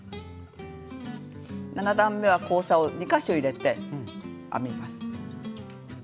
７段めは交差を２か所入れて編みます。